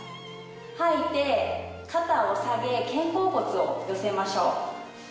吐いて肩を下げ肩甲骨を寄せましょう。